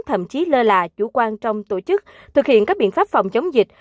thậm chí lơ là chủ quan trong tổ chức thực hiện các biện pháp phòng chống dịch